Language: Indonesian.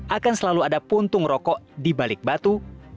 akan selalu ada puntung rokok di balik batu